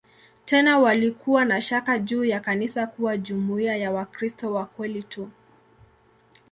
Tena walikuwa na shaka juu ya kanisa kuwa jumuiya ya "Wakristo wa kweli tu".